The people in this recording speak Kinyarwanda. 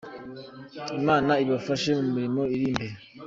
Imana ibafashe mu mirimo iri imbere.